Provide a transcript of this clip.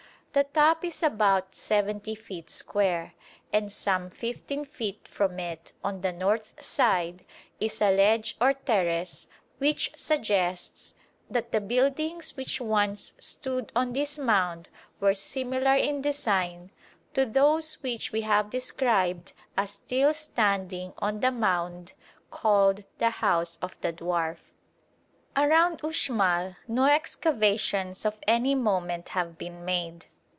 The top is about 70 feet square, and some 15 feet from it on the north side is a ledge or terrace which suggests that the buildings which once stood on this mound were similar in design to those which we have described as still standing on the mound called the House of the Dwarf. [Illustration: THE PALACE, UXMAL.] Around Uxmal no excavations of any moment have been made.